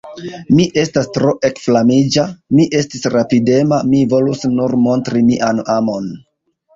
Mi estis tro ekflamiĝa, mi estis rapidema, mi volus nur montri mian amon.